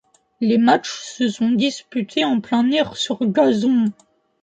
Les matchs se sont disputés en plein air sur gazon.